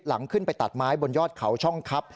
หลังขึ้นไปตัดไม้บนยอดเขาช่องครับ